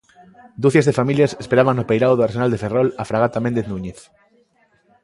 Ducias de familias esperaban no peirao do Arsenal de Ferrol a fragata Méndez Núñez.